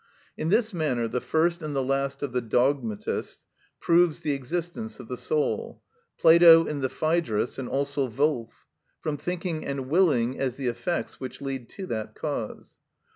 In this manner the first and the last of the dogmatists proves the existence of the soul: Plato in the "Phædrus" and also Wolf: from thinking and willing as the effects which lead to that cause.